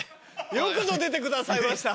よくぞ出てくださいました。